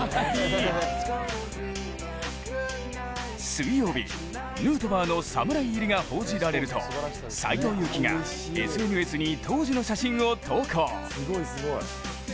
水曜日、ヌートバーの侍入りが報じられると斎藤佑樹がＳＮＳに当時の写真を投稿。